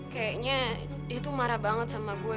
kayaknya dia tuh marah banget sama gue